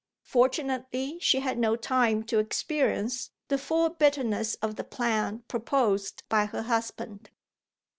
Fortunately she had no time to experience the full bitterness of the plan proposed by her husband.